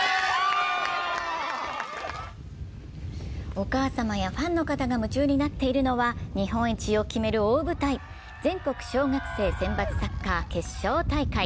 お母様やファンの方が夢中になっているのは日本一を決める大舞台、全国小学生選抜サッカー決勝大会。